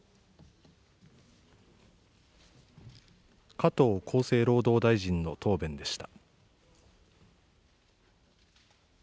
加藤厚生労働大臣の答弁でした。